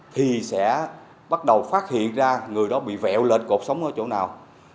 thì sẽ bắt đầu phát hiện ra người đó bị vẹo lên cột sống ở chỗ nào